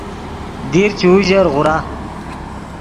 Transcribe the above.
دیر چے اوژر غورا